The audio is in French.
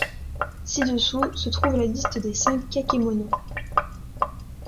Ci-dessous se trouve la liste des cinq kakemonos.